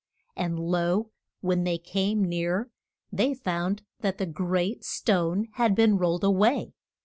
And lo, when they came near they found that the great stone had been rolled a way.